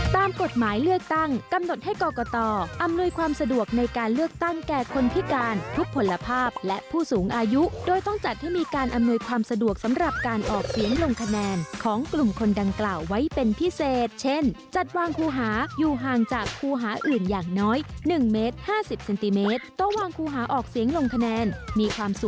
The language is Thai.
ตามกฎหมายเลือกตั้งกำหนดให้กรกตอำนวยความสะดวกในการเลือกตั้งแก่คนพิการทุกผลภาพและผู้สูงอายุโดยต้องจัดให้มีการอำนวยความสะดวกสำหรับการออกเสียงลงคะแนนของกลุ่มคนดังกล่าวไว้เป็นพิเศษเช่นจัดวางคู่หาอยู่ห่างจากครูหาอื่นอย่างน้อย๑เมตร๕๐เซนติเมตรต้องวางคู่หาออกเสียงลงคะแนนมีความสุข